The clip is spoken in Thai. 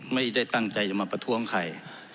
ไม่ได้ตั้งใจจะมาประท้วงใคร